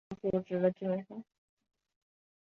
戈壁针茅为禾本科针茅属下的一个变种。